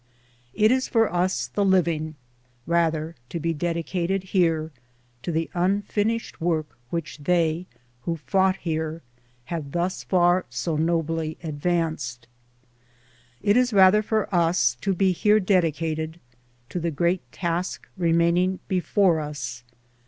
It is for us the living, rather, to be dedicated here to the unfinished work which they who fought here have thus far so nobly advanced. It is rather for us to be here dedicated to the great task remaining before us.